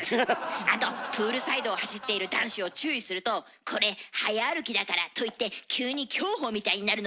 あとプールサイドを走っている男子を注意すると「これ早歩きだから」と言って急に競歩みたいになるのも大嫌いです。